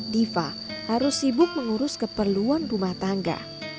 diva harus sibuk mengurus keperluan rumah tangga